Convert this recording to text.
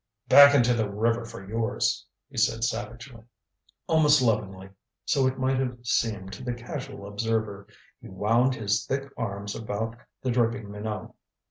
"Back into the river for yours," he said savagely. Almost lovingly so it might have seemed to the casual observer he wound his thick arms about the dripping Minot.